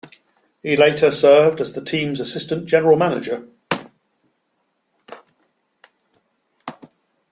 He later served as the team's assistant general manager.